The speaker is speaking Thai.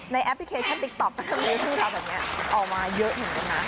ในแอปพลิเคชันติ๊กต๊อกก็จะมีชื่อราวแบบเนี้ยออกมาเยอะเหมือนกันนะ